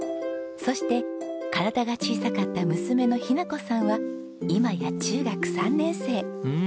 そして体が小さかった娘の雛子さんは今や中学３年生。